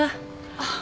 あっ。